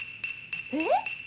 えっ！？